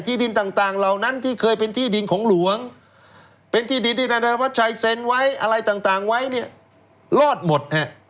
ดินต่างเหล่านั้นที่เคยเป็นที่ดินของหลวงเป็นที่ดินที่นายธวัชชัยเซ็นไว้อะไรต่างไว้เนี่ยรอดหมดฮะ